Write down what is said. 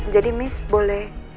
jadi miss boleh